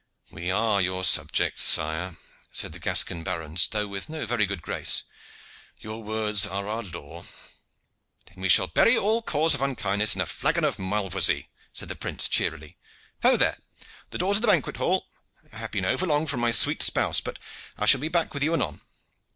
"We are your subjects, sire," said the Gascon barons, though with no very good grace. "Your words are our law." "Then shall we bury all cause of unkindness in a flagon of Malvoisie," said the prince, cheerily. "Ho, there! the doors of the banquet hall! I have been over long from my sweet spouse but I shall be back with you anon.